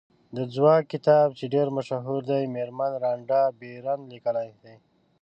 د ځواک کتاب چې ډېر مشهور دی مېرمن رانډا بېرن لیکلی دی.